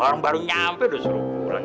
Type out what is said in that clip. orang baru nyampe udah suruh pulang